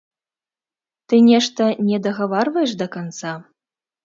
Ты нешта не дагаварваеш да канца?